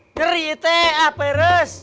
ngeri teh apa ya terus